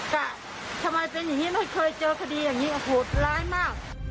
กะทำไมเป็นอย่างนี้ไม่เคยเจอคดีอย่างนี้โหดร้ายมาก